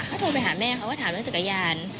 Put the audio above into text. เขาโทรไปหาแม่เขาก็ถามเรื่องจักรยาน